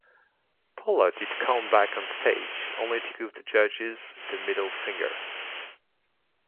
Paula did come back on stage only to give the judges the middle finger.